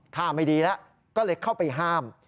ท่าไม่ดีแล้วก็เลยเข้าไปห้าม